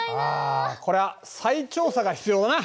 あこりゃ再調査が必要だな。